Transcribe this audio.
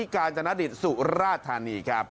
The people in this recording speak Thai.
กาญจนดิตสุราธานีครับ